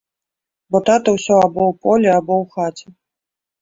Бо тата ўсё або ў полі, або ў хаце.